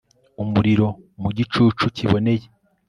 Umuriro mu gicucu kiboneye